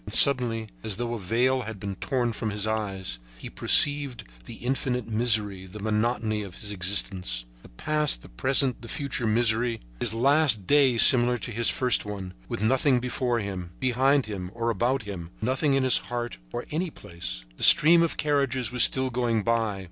And suddenly, as though a veil had been torn from his eyes, he perceived the infinite misery, the monotony of his existence: the past, present and future misery; his last day similar to his first one, with nothing before him, behind him or about him, nothing in his heart or any place. The stream of carriages was still going by.